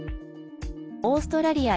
オーストラリア